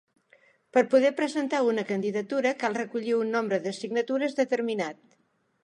Per poder presentar una candidatura cal recollir un nombre de signatures determinat.